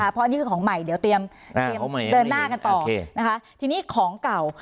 เพราะอันนี้คือของใหม่เดี๋ยวเตรียมเดินหน้ากันต่อนะคะทีนี้ของเก่า